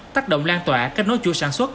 tác động lan tỏa các nối chua sản xuất